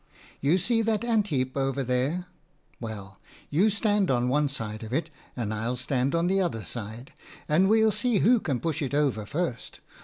You see that ant heap over there ? Well, you stand on one side of it, and I'll stand on the other side, and we'll see who can push it over first.